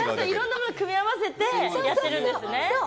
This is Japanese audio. いろんなもの組み合わせてやってるんですね。